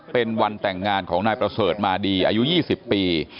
เป็นวันแต่งงานของนายประเสริฐมาดีอายุ๒๐ปี